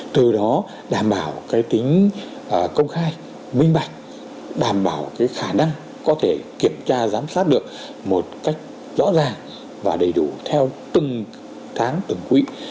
từ đó đảm bảo tính công khai minh bạch đảm bảo khả năng có thể kiểm tra giám sát được một cách rõ ràng và đầy đủ theo từng tháng từng quý